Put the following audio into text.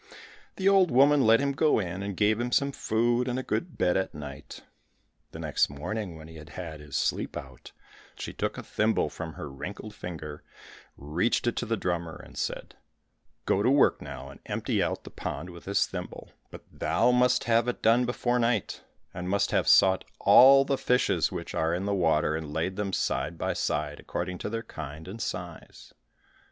The old woman let him go in, and gave him some food and a good bed at night. The next morning when he had had his sleep out, she took a thimble from her wrinkled finger, reached it to the drummer, and said, "Go to work now, and empty out the pond with this thimble; but thou must have it done before night, and must have sought out all the fishes which are in the water and laid them side by side, according to their kind and size."